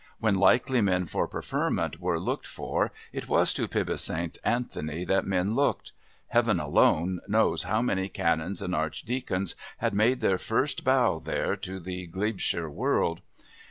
When likely men for preferment were looked for it was to Pybus St. Anthony that men looked. Heaven alone knows how many Canons and Archdeacons had made their first bow there to the Glebeshire world!